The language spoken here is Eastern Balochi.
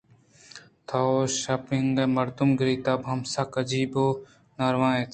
توئے شِپانک ءِ مردم گِری ءُ تب ہم سکّ عجب ءُ ناروا اِنت